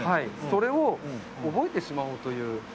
それを覚えてしまおうという。